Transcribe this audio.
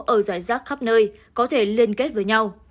ở giải rác khắp nơi có thể liên kết với nhau